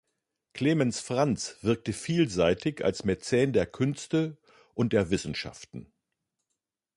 Clemens Franz wirkte vielseitig als Mäzen der Künste und der Wissenschaften.